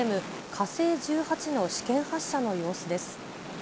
火星１８の試験発射の様子です。